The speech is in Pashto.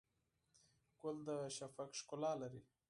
ګل د شفق ښکلا لري.